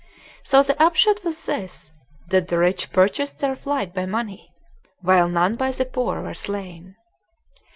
So the upshot was this, that the rich purchased their flight by money, while none but the poor were slain.